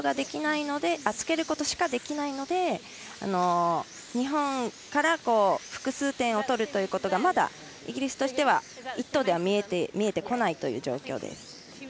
つけることしかできないので日本から複数点を取るということがまだイギリスとしては１投では見えてこない状況です。